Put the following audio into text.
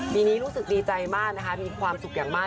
ปีนี้รู้สึกดีใจมากนะคะมีความสุขอย่างมาก